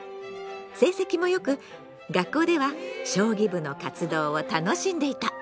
成績も良く学校では将棋部の活動を楽しんでいた。